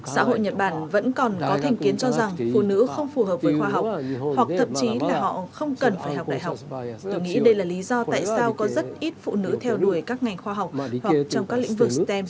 xã hội nhật bản vẫn còn có thành kiến cho rằng phụ nữ không phù hợp với khoa học hoặc thậm chí là họ không cần phải học đại học tôi nghĩ đây là lý do tại sao có rất ít phụ nữ theo đuổi các ngành khoa học hoặc trong các lĩnh vực stem